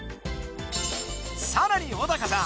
さらに小高さん